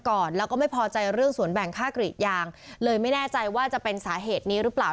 ก่อนแล้วก็ไม่พอใจเรื่องสวนแบ่งค่ากรีดยางเลยไม่แน่ใจว่าจะเป็นสาเหตุนี้หรือเปล่า